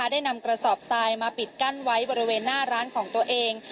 ได้นำกระสอบทรายมาปิดกั้นไว้บริเวณหน้าร้านของตัวเอง